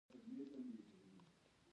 باز کارغه ته د ښکار چل ور زده کړ.